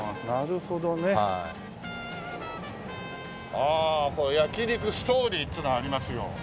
ああ「焼肉ストーリー」っつうのありますよ。